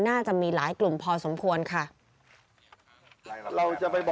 น่าจะมีหลายกลุ่มพอสมควรค่ะ